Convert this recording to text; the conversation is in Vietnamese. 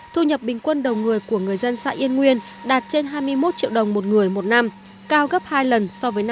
thu nhập bình quân đầu người của người dân xã yên nguyên đạt trên hai mươi một triệu đồng một người một năm